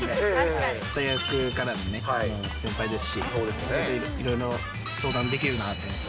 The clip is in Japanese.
大学からの先輩ですし、いろいろ相談できるなと思って。